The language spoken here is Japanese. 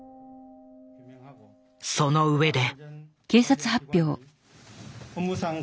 その上で。